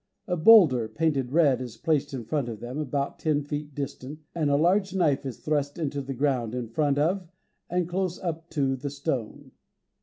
A boulder, painted red, is placed in front of them, about ten feet distant, and a large knife is thrust into the ground in front of, and close up to, the stone.